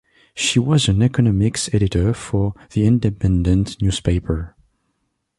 She was an economics editor for "The Independent" newspaper.